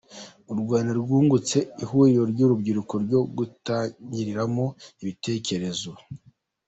U Rwanda rwungutse ihuriro ry’urubyiruko ryo gutangiramo ibitekerezo